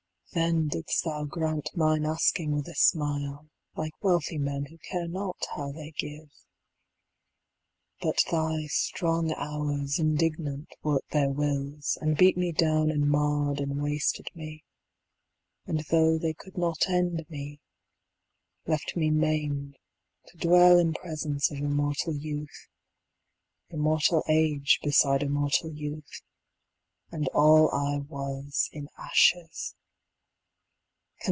Then didst thou grant mine asking with a smile, Like wealthy men who care not how they give. But thy strong Hours indignant work'd their wills, And beat me down and marr'd and wasted me, And tho' they could not end me, left me maim'd To dwell in presence of immortal youth, Immortal age beside immortal youth, And all I was, in ashes.